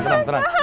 komen masuk aja